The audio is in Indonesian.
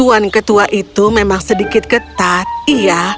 tuan ketua itu memang sedikit ketat iya